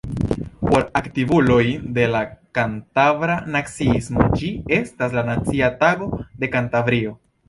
Por aktivuloj de la kantabra naciismo ĝi estas la nacia tago de Kantabrio.